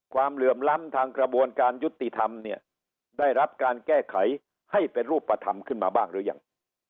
เหลื่อมล้ำทางกระบวนการยุติธรรมเนี่ยได้รับการแก้ไขให้เป็นรูปธรรมขึ้นมาบ้างหรือยัง